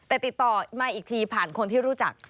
แต่ติดต่อมาอีกทีผ่านคนที่รู้จัก